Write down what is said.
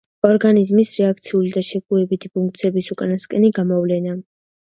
ორგანიზმის რეაქციული და შეგუებითი ფუნქციების უკანასკნელი გამოვლენა.